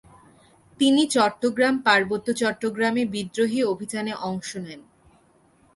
তিনি চট্টগ্রাম পার্বত্য চট্টগ্রামে বিদ্রোহী অভিযানে অংশ নেন।